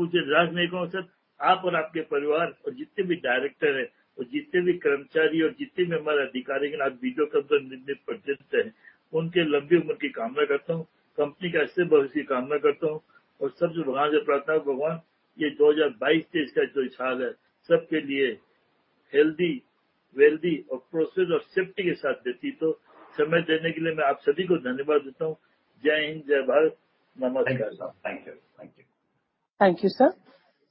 भारत। नमस्कार sir। Thank you. Thank you. Thank you, sir.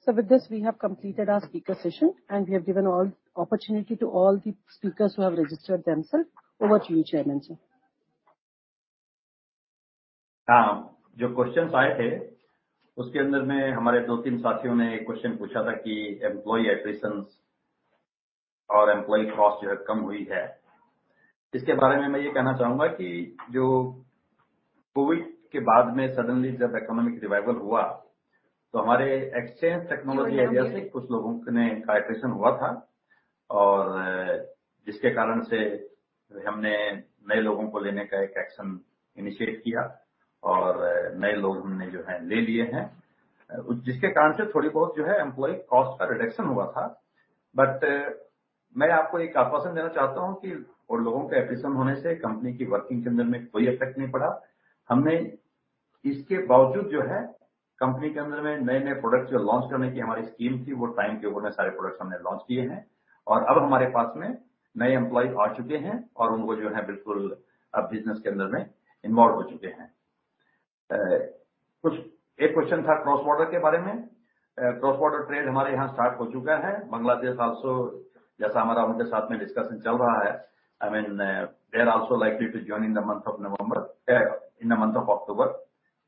With this, we have completed our speaker session and we have given all opportunity to all the speakers who have registered themselves. Over to you, Chairman sir. जो questions आए थे उसके अंदर में हमारे दो तीन साथियों ने एक question पूछा था कि employee attrition और employee cost जो है कम हुई है। इसके बारे में मैं यह कहना चाहूंगा कि जो COVID-19 के बाद में suddenly जब economic revival हुआ तो हमारे exchange technology areas से कुछ लोगों ने attrition हुआ था और जिसके कारण से हमने नए लोगों को लेने का एक action initiate किया और नए लोग हमने जो है ले लिए हैं। जिसके कारण से थोड़ी बहुत जो है employee cost का reduction हुआ था। मैं आपको एक assurance देना चाहता हूँ कि उन लोगों के attrition होने से company की working के अंदर में कोई effect नहीं पड़ा। हमने इसके बावजूद जो है company के अंदर में नए नए products launch करने की हमारी scheme थी। वो time के ऊपर में सारे products हमने launch किए हैं और अब हमारे पास में नए employees आ चुके हैं और उनको जो है बिल्कुल अब business के अंदर में involve हो चुके हैं। एक question था cross-border के बारे में। Cross-border trade हमारे यहां start हो चुका है। Bangladesh also जैसा हमारा उनके साथ में discussion चल रहा है। They are also likely to join in the month of October,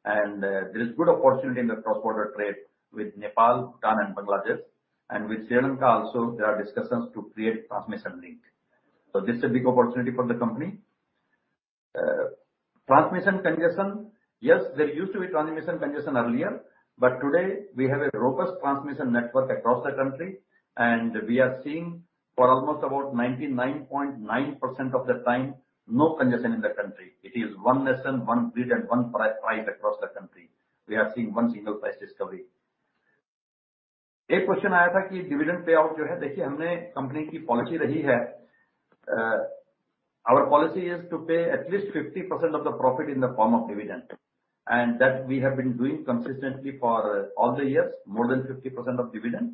and there is good opportunity in the cross-border trade with Nepal, Bhutan and Bangladesh and with Sri Lanka also there are discussions to create transmission link. This is a big opportunity for the company. Transmission congestion. Yes, there used to be transmission congestion earlier. Today we have a robust transmission network across the country and we are seeing for almost about 99.9% of the time no congestion in the country. It is one nation, one grid and one price across the country. We are seeing one single price discovery. एक question आया था कि dividend payout जो है। देखिए, हमने company की policy रही है। Our policy is to pay at least 50% of the profit in the form of dividend and that we have been doing consistently for all the years more than 50% of dividend.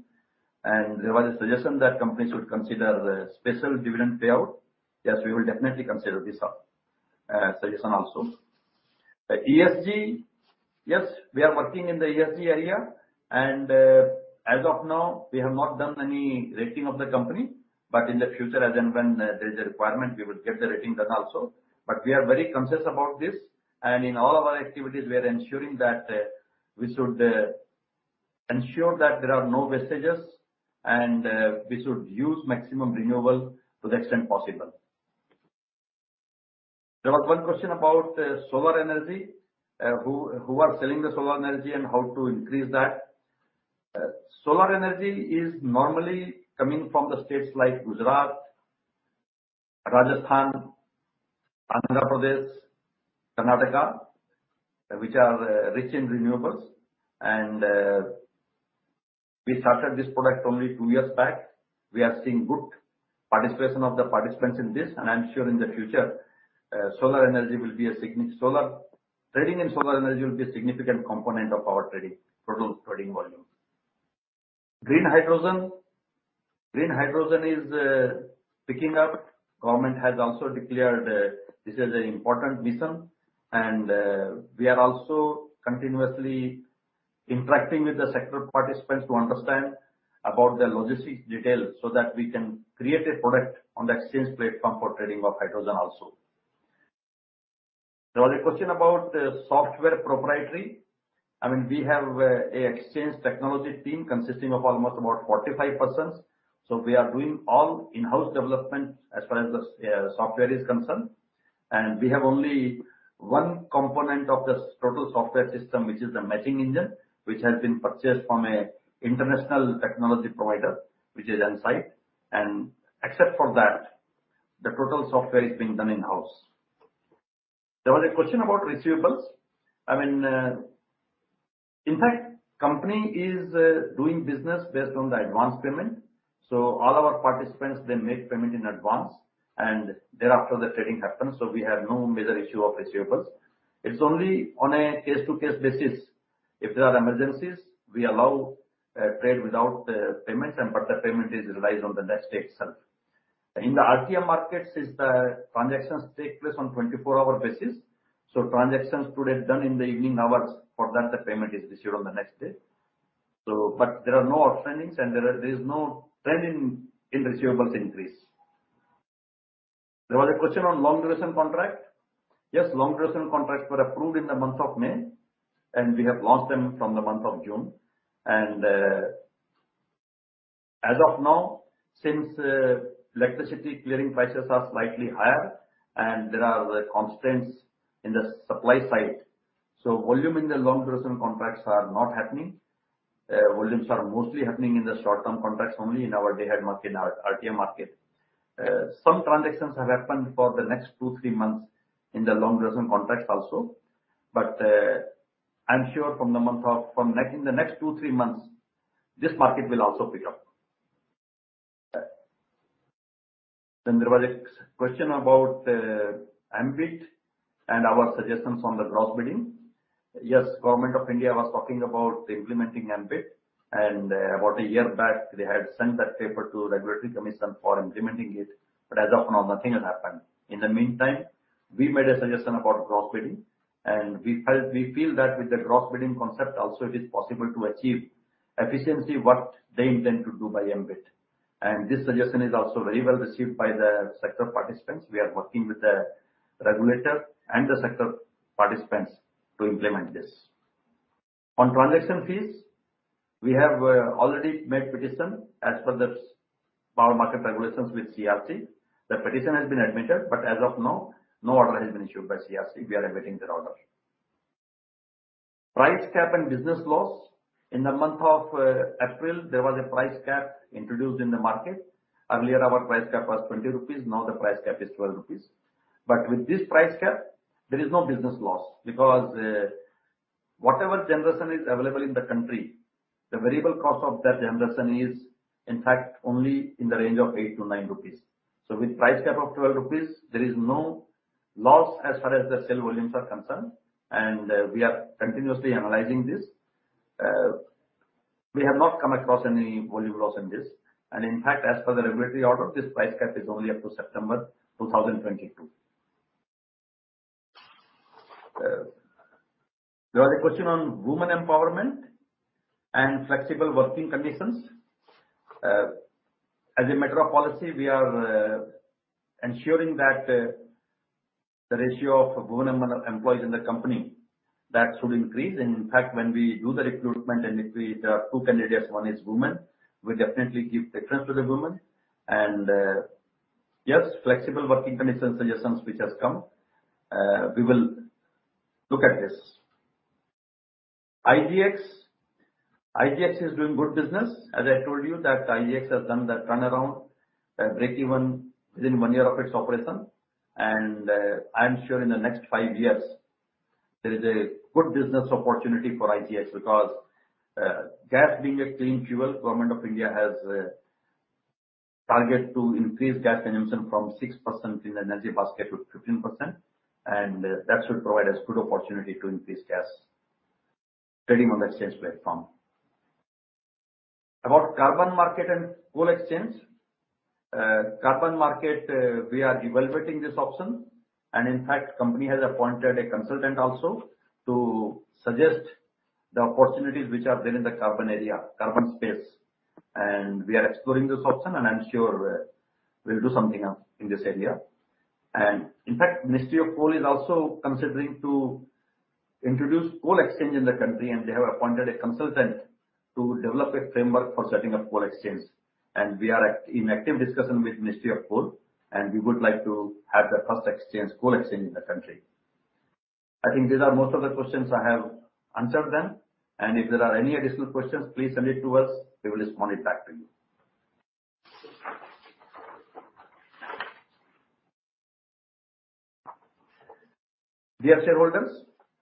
There was a suggestion that companies would consider the special dividend payout. Yes, we will definitely consider this suggestion also. ESG. Yes, we are working in the ESG area and as of now we have not done any rating of the company. In the future as and when there is a requirement, we would get the rating done also. We are very conscious about this and in all our activities we are ensuring that we should ensure that there are no wastages and we should use maximum renewable to the extent possible. There was one question about solar energy. Who are selling the solar energy and how to increase that? Solar energy is normally coming from the states like Gujarat, Rajasthan, Andhra Pradesh, Karnataka which are rich in renewables and we started this product only two years back. We are seeing good participation of the participants in this and I'm sure in the future solar trading and solar energy will be a significant component of our total trading volume. Green hydrogen is picking up. Government has also declared this is an important mission and we are also continuously interacting with the sector participants to understand about the logistics details so that we can create a product on the exchange platform for trading of hydrogen also. There was a question about software proprietary. I mean, we have an exchange technology team consisting of almost about 45 persons. So we are doing all in-house development as far as the software is concerned, and we have only one component of this total software system, which is the matching engine which has been purchased from an international technology provider, which is Nasdaq. Except for that, the total software is being done in-house. There was a question about receivables. I mean, in fact, company is doing business based on the advance payment. All our participants, they make payment in advance, and thereafter the trading happens. We have no major issue of receivables. It's only on a case to case basis. If there are emergencies, we allow trade without the payments and but the payment is realized on the next day itself. In the RTM markets the transactions take place on 24-hour basis. Transactions today done in the evening hours. For that, the payment is received on the next day. But there are no outstandings and there is no trend in receivables increase. There was a question on long duration contract. Yes, long duration contracts were approved in the month of May, and we have launched them from the month of June. As of now, since electricity clearing prices are slightly higher and there are the constraints in the supply side, so volume in the long duration contracts are not happening. Volumes are mostly happening in the short term contracts only in our Day-Ahead Market, in our RTM market. Some transactions have happened for the next two, three months in the long duration contracts also. I'm sure in the next two, three months, this market will also pick up. There was a question about MBED and our suggestions on the cross-border. Yes, Government of India was talking about implementing MBED, and about a year back they had sent that paper to Regulatory Commission for implementing it, but as of now, nothing has happened. In the meantime, we made a suggestion about cross-billing, and we felt, we feel that with the cross-billing concept also it is possible to achieve efficiency, what they intend to do by MBED. This suggestion is also very well received by the sector participants. We are working with the regulator and the sector participants to implement this. On transaction fees, we have already made petition as per the Power Market Regulations with CERC. The petition has been admitted, but as of now, no order has been issued by CERC. We are awaiting their order. Price cap and business loss. In the month of April, there was a price cap introduced in the market. Earlier our price cap was 20 rupees, now the price cap is 12 rupees. With this price cap, there is no business loss because, whatever generation is available in the country, the variable cost of that generation is in fact only in the range of 8-9 rupees. With price cap of 12 rupees, there is no loss as far as the sale volumes are concerned, and we are continuously analyzing this. We have not come across any volume loss in this. In fact, as per the regulatory order, this price cap is only up to September 2022. There was a question on women empowerment and flexible working conditions. As a matter of policy, we are ensuring that the ratio of women employees in the company should increase. In fact, when we do the recruitment and if we there are two candidates, one is woman, we definitely give preference to the woman. Yes, flexible working condition suggestions which has come, we will look at this. IGX. IGX is doing good business. As I told you that IGX has done the turnaround, breakeven within one year of its operation. I'm sure in the next five years there is a good business opportunity for IGX because, gas being a clean fuel, Government of India has a target to increase gas consumption from 6% in the energy basket to 15%, and that should provide us good opportunity to increase gas trading on the exchange platform. About carbon market and coal exchange. Carbon market, we are evaluating this option and in fact company has appointed a consultant also to suggest the opportunities which are there in the carbon area, carbon space. We are exploring this option and I'm sure, we'll do something else in this area. In fact, Ministry of Coal is also considering to introduce coal exchange in the country, and they have appointed a consultant to develop a framework for setting up coal exchange. We are in active discussion with Ministry of Coal, and we would like to have the first exchange, coal exchange in the country. I think these are most of the questions. I have answered them and if there are any additional questions please send it to us. We will respond it back to you. Dear shareholders,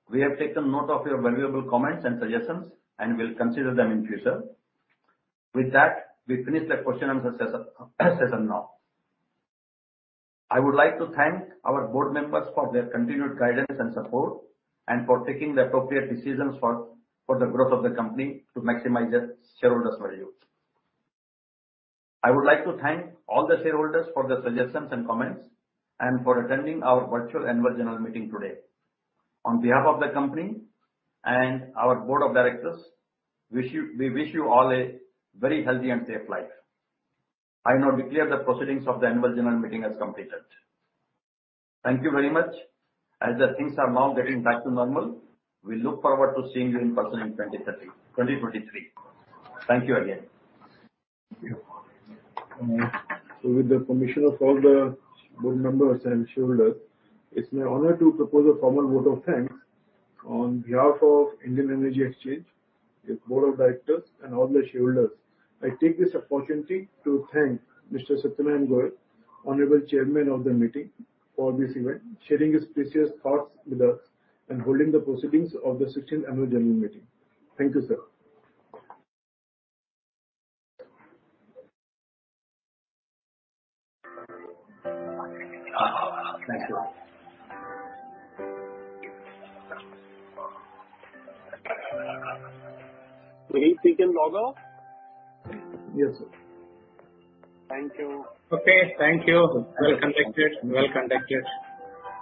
we have taken note of your valuable comments and suggestions, and we'll consider them in future. With that, we finish the question and answer session now. I would like to thank our board members for their continued guidance and support, and for taking the appropriate decisions for the growth of the company to maximize the shareholders' values. I would like to thank all the shareholders for their suggestions and comments, and for attending our virtual Annual General Meeting today. On behalf of the company and our board of directors, we wish you all a very healthy and safe life. I now declare the proceedings of the Annual General Meeting as completed. Thank you very much. As the things are now getting back to normal, we look forward to seeing you in person in 2023. Thank you again. With the permission of all the board members and shareholders, it's my honor to propose a formal vote of thanks. On behalf of Indian Energy Exchange, the board of directors and all the shareholders, I take this opportunity to thank Mr. Satyanarayan Goel, Honorable Chairman of the meeting, for this event, sharing his precious thoughts with us and holding the proceedings of the 16th Annual General Meeting. Thank you, sir. Thank you. We can log off? Yes, sir. Thank you. Okay, thank you. Well conducted.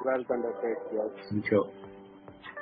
Yes. Thank you.